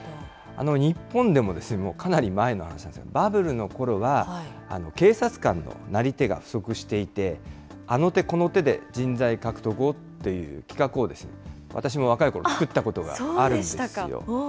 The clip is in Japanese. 日本でも、かなり前の話なんですが、バブルのころは、警察官のなり手が不足していて、あの手この手で人材獲得をという企画を私も若いころ作ったことがそうでしたか。